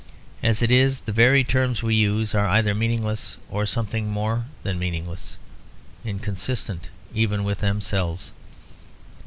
As it is, the very terms we use are either meaningless or something more than meaningless, inconsistent even with themselves.